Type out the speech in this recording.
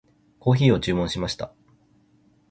コーヒーを注文しました。